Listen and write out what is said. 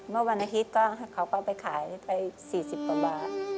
เมื่อวันอาทิตย์เขาก็เอาไปขายไปสี่สิบกว่าบาท